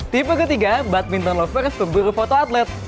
tipe ketiga badminton lovers pemburu foto atlet